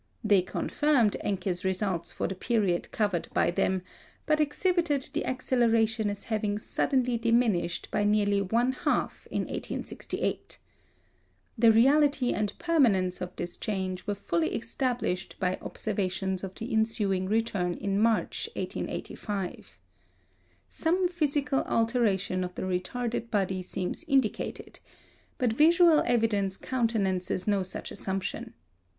They confirmed Encke's results for the period covered by them, but exhibited the acceleration as having suddenly diminished by nearly one half in 1868. The reality and permanence of this change were fully established by observations of the ensuing return in March, 1885. Some physical alteration of the retarded body seems indicated; but visual evidence countenances no such assumption.